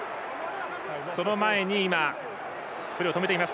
その前に、プレーを止めています。